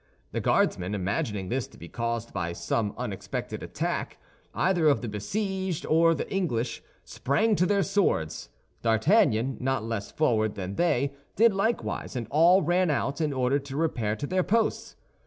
The Guardsmen, imagining this to be caused by some unexpected attack, either of the besieged or the English, sprang to their swords. D'Artagnan, not less forward than they, did likewise, and all ran out, in order to repair to their posts.